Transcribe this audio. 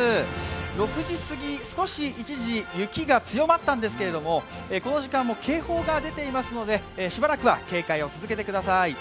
６時すぎ、一時、雪が強まったんですけど、この時間も警報が出ていますのでしばらくは警戒を続けてください。